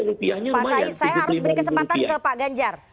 pak said saya harus beri kesempatan ke pak ganjar